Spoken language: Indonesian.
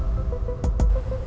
sekali dengan almarhumah mama kamu